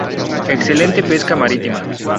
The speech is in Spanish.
Excelente pesca marítima.